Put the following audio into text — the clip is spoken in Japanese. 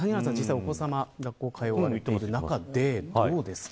お子さま、学校に通われている中で、どうですか。